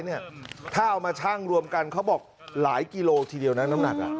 ถ้าเอามาชั่งรวมกันเขาบอกหลายกิโลทีเดียวนะน้ำหนัก